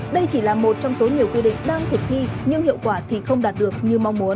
đây chỉ là một trong số nhiều quy định đang thực thi nhưng hiệu quả thì không đạt được như mong muốn